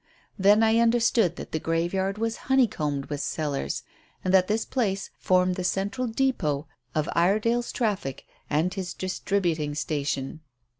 Then I understood that the graveyard was honeycombed with cellars, and that this place formed the central depôt of Iredale's traffic and his distributing station.